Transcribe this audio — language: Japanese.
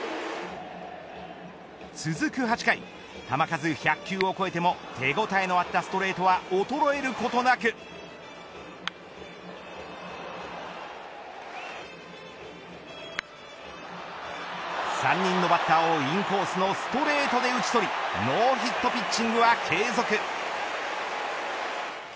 続く８回球数１００球を超えても手応えのあったストレートは衰えることなく３人のバッターをインコースのストレートで打ち取りノーヒットピッチングは継続。